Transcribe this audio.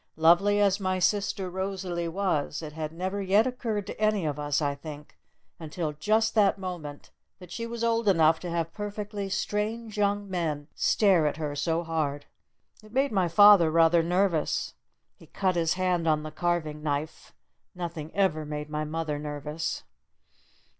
Lovely as my sister Rosalee was, it had never yet occurred to any of us, I think, until just that moment that she was old enough to have perfectly strange young men stare at her so hard. It made my father rather nervous. He cut his hand on the carving knife. Nothing ever made my mother nervous.